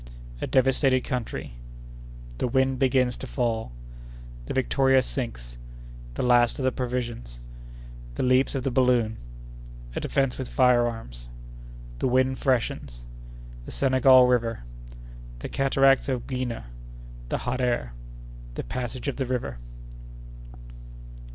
—A Devastated Country.—The Wind begins to fall.—The Victoria sinks.—The last of the Provisions.—The Leaps of the Balloon.—A Defence with Fire arms.—The Wind freshens.—The Senegal River.—The Cataracts of Gouina.—The Hot Air.—The Passage of the River.